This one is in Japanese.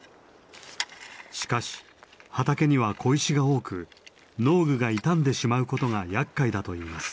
しかし畑には小石が多く農具が傷んでしまうことがやっかいだといいます。